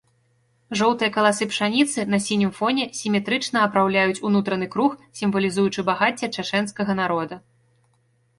Жоўтыя каласы пшаніцы на сінім фоне сіметрычна апраўляюць унутраны круг, сімвалізуючы багацце чачэнскага народа.